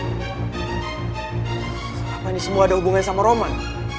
kenapa ini semua ada hubungannya sama roman